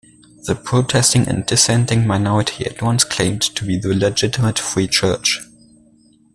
The protesting and dissenting minority at once claimed to be the legitimate Free Church.